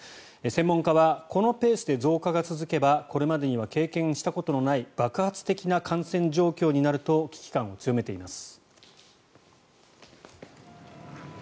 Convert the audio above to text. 専門家はこのペースで増加が続けばこれまでに経験したことのない爆発的な感染状況になると危機感を強めています。